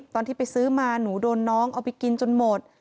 ตอนที่ไปซื้อมาหนูโดนน้องเอาไปกินจนหมด